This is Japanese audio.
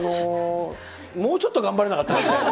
もうちょっと頑張れなかったかな。